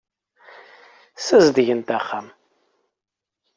Ssazedgen-d axxam.